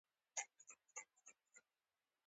څلوېښتو کالو کې موافقې ته ونه رسېدل.